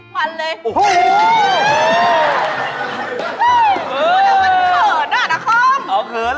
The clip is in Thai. วันนี้น่ะคอม